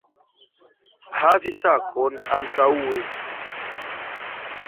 Havi sakon antaŭe